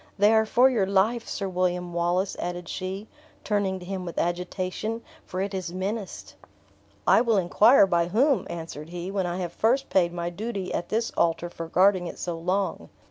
They are for your life, Sir William Wallace," added she, turning to him with agitation, "for it is menaced." "I will inquire by whom," answered he, "when I have first paid my duty at this altar for guarding it so long.